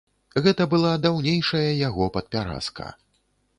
Гэта была даўнейшая яго падпяразка.